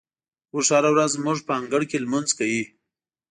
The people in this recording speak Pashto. اوښ هره ورځ زموږ په انګړ کې لمونځ کوي.